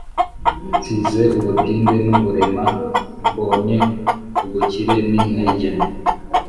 Nsize ubutindi n’uburema mbonye ubukire n’intege